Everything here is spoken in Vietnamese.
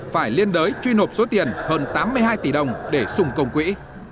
phải liên đối truy nộp số tiền hơn tám mươi hai tỷ đồng để xùng công quỹ